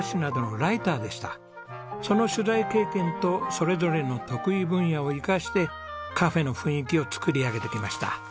その取材経験とそれぞれの得意分野を生かしてカフェの雰囲気を作り上げてきました。